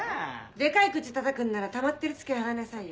デカい口たたくんならたまってるツケ払いなさいよ。